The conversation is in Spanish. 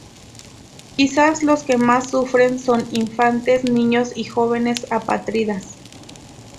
Quizás los que más sufren son infantes, niños y jóvenes apátridas.